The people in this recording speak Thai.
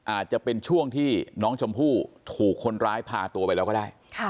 อาจจะเป็นช่วงที่น้องชมพู่ถูกคนร้ายพาตัวไปแล้วก็ได้